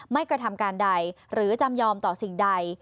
กระทำการใดหรือจำยอมต่อสิ่งใด